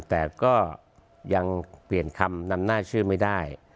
แต่ก็ยังเปลี่ยนคำนำหน้าชื่อไม่ได้